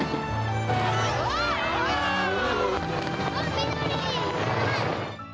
緑。